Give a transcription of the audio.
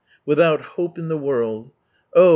"Without hope in the world." Oh!